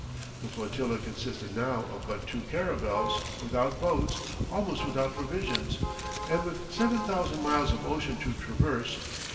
The flotilla consisted now of but two caravels, without boats, almost without provisions, and with 7000 miles of ocean to traverse.